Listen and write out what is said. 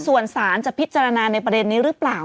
ส่วนสารจะพิจารณาในประเด็นนี้หรือเปล่า